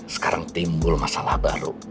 sekarang timbul masalah baru